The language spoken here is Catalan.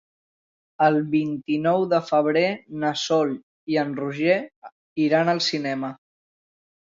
El vint-i-nou de febrer na Sol i en Roger iran al cinema.